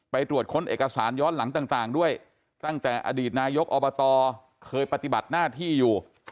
ตรวจค้นเอกสารย้อนหลังต่างด้วยตั้งแต่อดีตนายกอบตเคยปฏิบัติหน้าที่อยู่